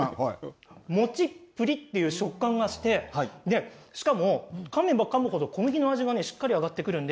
もちっぷりっという食感がしてしかも噛めば噛むほど小麦の味がしっかり上がってくるね。